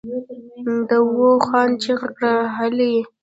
داوود خان چيغه کړه! هلئ!